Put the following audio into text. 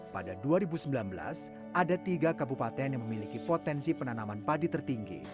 pada dua ribu sembilan belas ada tiga kabupaten yang memiliki potensi penanaman padi tertinggi